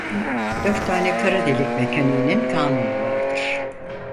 Dört tane kara delik mekaniğinin kanunu vardır.